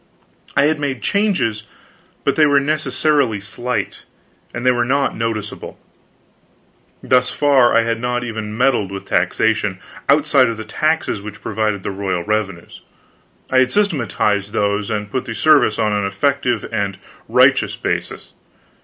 I had made changes, but they were necessarily slight, and they were not noticeable. Thus far, I had not even meddled with taxation, outside of the taxes which provided the royal revenues. I had systematized those, and put the service on an effective and righteous basis.